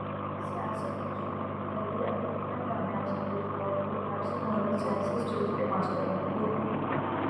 سیاسی انجینئرنگ کا یہ عمل اتنا کامیاب ثابت ہوا کہ یہ عارضی مہرے سیاسی سٹیج کے ماسٹر بن گئے۔